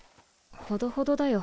ほどほどだよ